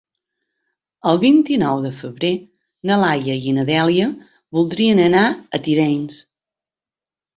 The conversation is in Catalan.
El vint-i-nou de febrer na Laia i na Dèlia voldrien anar a Tivenys.